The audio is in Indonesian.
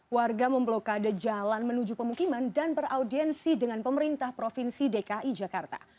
warga memblokade jalan menuju pemukiman dan beraudiensi dengan pemerintah provinsi dki jakarta